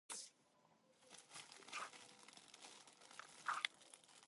Many of its fittings and memorials are of architectural and artistic merit.